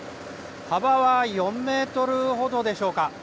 幅は４メートルほどでしょうか。